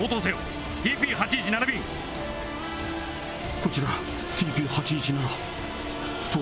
こちらＴＰ８１７。